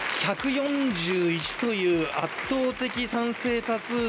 １４１という圧倒的算数